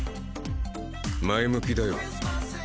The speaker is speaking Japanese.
前向きだよ。